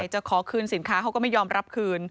จะขอคืนสินค้าเขาก็ไม่ยอมรับคืน